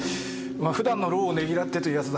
普段の労をねぎらってというやつだ。